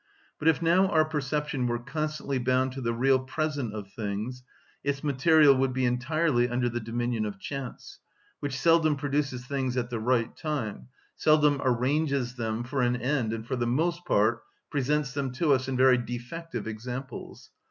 But if now our perception were constantly bound to the real present of things, its material would be entirely under the dominion of chance, which seldom produces things at the right time, seldom arranges them for an end and for the most part presents them to us in very defective examples.